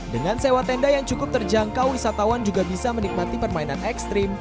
dengan sewa tenda yang cukup terjangkau wisatawan juga bisa menikmati permainan ekstrim